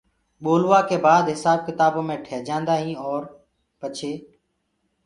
ٻولوآ ڪي بآد هسآب ڪتآبو مي ٺيجآندآئين اور پڇي